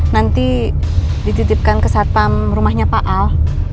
nanti dititipkan ke satpam rumahnya pak al